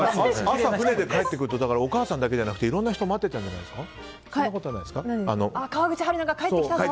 朝、船で帰ってくるとお母さんだけじゃなくていろんな人が川口春奈が帰ってきたぞ！